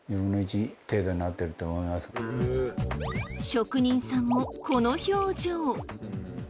職人さんもこの表情。